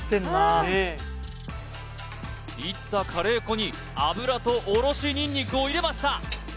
煎ったカレー粉に油とおろしニンニクを入れました